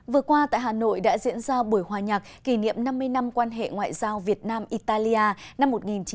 vừa qua tại hà nội đã diễn ra buổi hòa nhạc kỷ niệm năm mươi năm quan hệ ngoại giao việt nam italia năm một nghìn chín trăm bảy mươi ba hai nghìn hai mươi ba